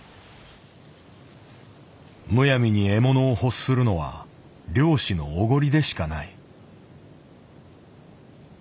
むやみに獲物を欲するのは猟師のおごりでしかない。